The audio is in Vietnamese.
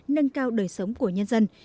nâng cao đời sống của nhân dân